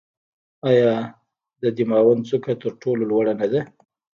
آیا د دماوند څوکه تر ټولو لوړه نه ده؟